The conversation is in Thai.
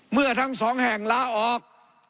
เมื่อทั้งสองแห่งลาออก